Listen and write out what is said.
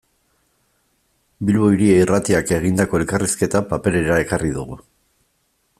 Bilbo Hiria Irratiak egindako elkarrizketa paperera ekarri dugu.